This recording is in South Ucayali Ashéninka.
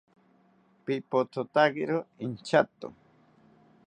Pipothotakiro inchato